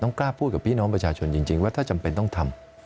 กล้าพูดกับพี่น้องประชาชนจริงว่าถ้าจำเป็นต้องทำ